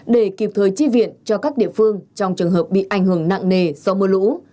để kịp thời tri viện cho các địa phương trong trường hợp bị ảnh hưởng nặng nề do mưa lũ